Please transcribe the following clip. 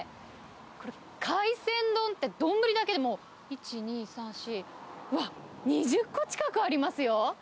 これ、海鮮丼って丼だけで、もう１、２、３、４、うわっ、２０個近くありますよ。